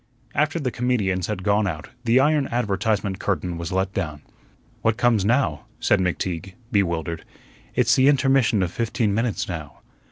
After the comedians had gone out, the iron advertisement curtain was let down. "What comes now?" said McTeague, bewildered. "It's the intermission of fifteen minutes now."